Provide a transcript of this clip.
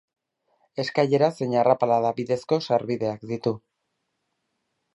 Eskailera zein arrapala bidezko sarbideak ditu.